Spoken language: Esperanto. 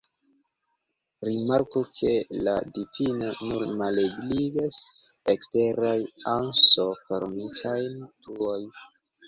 Rimarku ke la difino nur malebligas eksteraj anso-formitajn truoj.